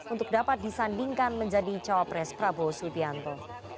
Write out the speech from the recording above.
untuk dapat disandingkan menjadi cawapres prabowo subianto